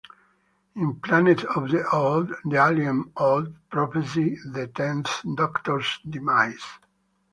In "Planet of the Ood", the alien Ood prophesy the Tenth Doctor's demise.